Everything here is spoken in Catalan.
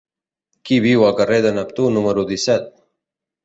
Qui viu al carrer de Neptú número disset?